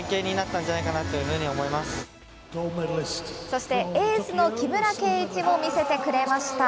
そして、エースの木村敬一もみせてくれました。